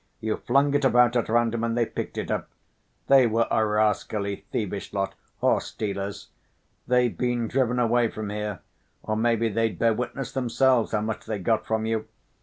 "You flung it about at random and they picked it up. They were a rascally, thievish lot, horse‐stealers, they've been driven away from here, or maybe they'd bear witness themselves how much they got from you.